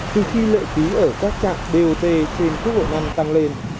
từ khi lợi ký ở các trạm bot trên quốc lộ năm tăng lên